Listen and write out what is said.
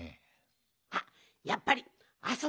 あっやっぱりあそこね。